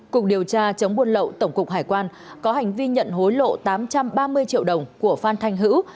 cục điều tra chống buôn lậu tổng cục hải quan có hành vi nhận hối lộ tám trăm ba mươi triệu đồng của phan thanh hữu